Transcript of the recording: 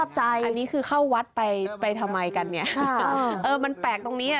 อันนี้คือเข้าวัดไปไปทำไมกันเนี่ยเออมันแปลกตรงนี้อ่ะ